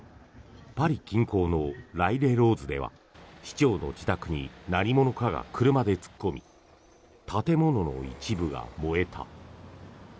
パリ近郊のライレローズでは市長の自宅に何者かが車で突っ込み建物の一部が燃えた。